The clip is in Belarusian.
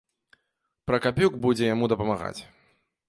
Пракапюк будзе яму дапамагаць.